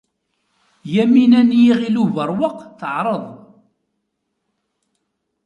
Yamina n Yiɣil Ubeṛwaq teɛreḍ.